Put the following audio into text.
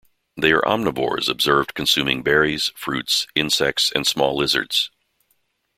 They are omnivores observed consuming berries, fruits, insects and small lizards.